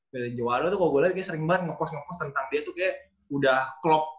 belen jawaro tuh kalo gue liat kayaknya sering banget ngepost ngepost tentang dia tuh kayaknya udah clock